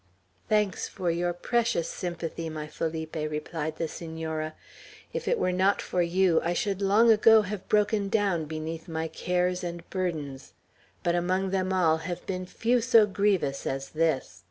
"Thanks for your precious sympathy, my Felipe," replied the Senora. "If it were not for you, I should long ago have broken down beneath my cares and burdens. But among them all, have been few so grievous as this.